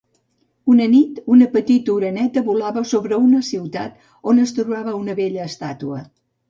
Una nit una petita oreneta volava sobre una ciutat on es trobava una bella estàtua.